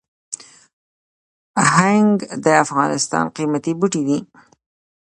هنګ د افغانستان قیمتي بوټی دی